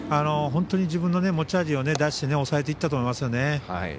本当に自分の持ち味を出して抑えていったと思います。